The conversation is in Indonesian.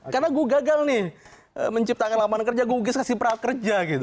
karena gue gagal nih menciptakan lapangan kerja gue kukis kasih prakerja gitu